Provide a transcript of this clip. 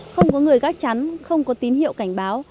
không có người gác chắn không có tín hiệu cảnh báo